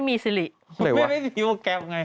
ไม่นี่ว่าแกบไง